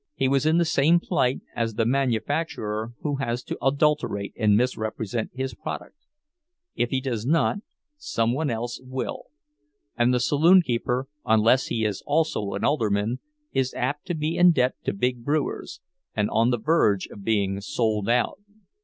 He was in the same plight as the manufacturer who has to adulterate and misrepresent his product. If he does not, some one else will; and the saloon keeper, unless he is also an alderman, is apt to be in debt to the big brewers, and on the verge of being sold out.